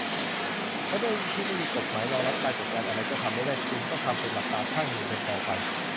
และด้วยที่ไม่มีกฎหมายรองรับ การจัดการอะไรก็ทำไม่ได้ ก็ต้องทำเป็นหลับตาข้างนึงกันต่อไป